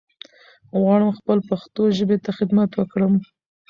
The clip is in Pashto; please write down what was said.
غواړم خپل پښتو ژبې ته خدمت وکړم